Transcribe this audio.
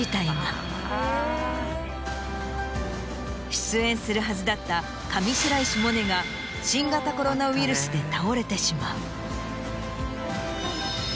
出演するはずだった上白石萌音が新型コロナウイルスで倒れてしまう。